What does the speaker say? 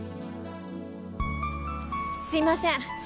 すいません。